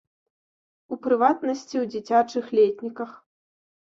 У прыватнасці ў дзіцячых летніках.